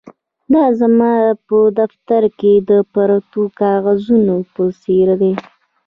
دا زما په دفتر کې د پرتو کاغذونو په څیر دي